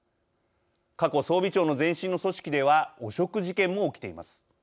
過去、装備庁の前身の組織では汚職事件も起きています。